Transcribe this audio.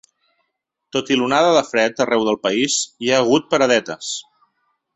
Tot i l’onada de fred arreu del país hi ha hagut paradetes.